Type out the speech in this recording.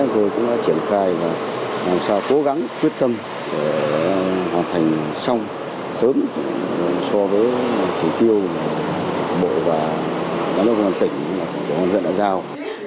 tại sao cố gắng quyết tâm hoàn thành xong sớm so với chỉ tiêu bộ và các nông dân tỉnh các nông dân đã giao